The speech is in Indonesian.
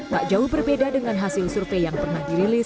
tak jauh berbeda dengan hasil survei yang pernah dirilis